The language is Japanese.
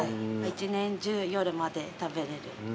１年中夜まで食べれる。